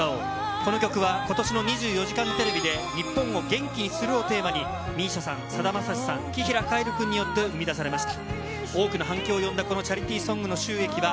この曲は今年の『２４時間テレビ』で日本を元気にするをテーマにＭＩＳＩＡさん、さだまさしさん、紀平凱成さんによって生み出されました。